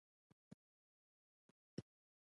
د غریب لاس نیوی په ټولنه کي د خلکو د یووالي لامل کيږي.